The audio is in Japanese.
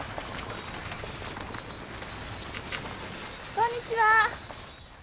こんにちは。